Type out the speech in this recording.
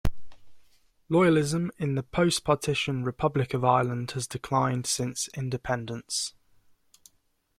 Loyalism in the post-partition Republic of Ireland has declined since independence.